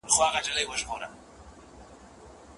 هغه استاد چي خپلواکي ورکوي تر ټولو ښه لارښود دی.